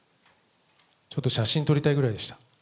ちょっと写真撮りたいぐらいでした。